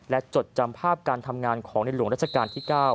และจดจำภาพการทำงานของในหลวงราชการที่๙